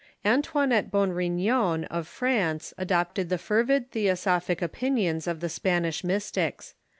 Antoinette Bourignon, of France, adopted the fervid the osophic opinions of the Spanish Mystics.